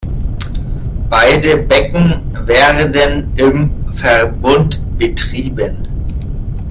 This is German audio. Beide Becken werden im Verbund betrieben.